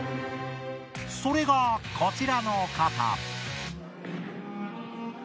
それがこちらの方。